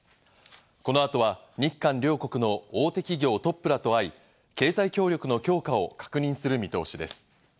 この後は日韓両国の大手企業トップらと会い、経済協力の強化を確認する見通しです。